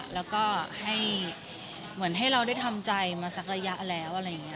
แล้วก็ให้เหมือนให้เราได้ทำใจมาสักระยะแล้วอะไรอย่างนี้